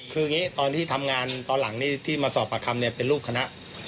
คืออย่างนี้ตอนที่ทำงานตอนหลังนี่ที่มาสอบปากคำเป็นรูปคณะ